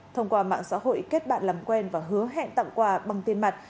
thông qua mạng xã hội kết bạn làm quen và hứa hẹn tặng quà bằng tiền mặt